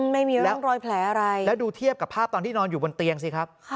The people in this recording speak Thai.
ไม่มีร่องรอยแผลอะไรแล้วดูเทียบกับภาพตอนที่นอนอยู่บนเตียงสิครับ